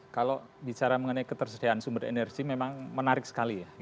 kalau bicara mengenai ketersediaan sumber energi memang menarik sekali ya